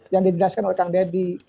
yang dijelaskan oleh kang deddy